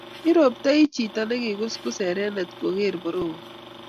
iruptoi chito nekikosus erenet ngogeer borowe